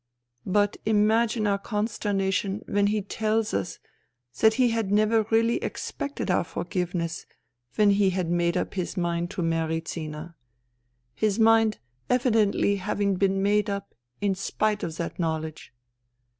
But imagine our consternation when he tells us that he had never really expected our forgiveness when he had made up his mind to marry Zina, his mind THE THREE SISTERS 37 evidently having been made up in spite of that knowledge.